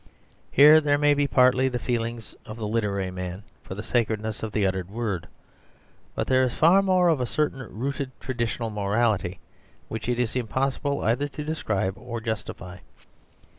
Here there may be partly the feeling of the literary man for the sacredness of the uttered word, but there is far more of a certain rooted traditional morality which it is impossible either to describe or to justify.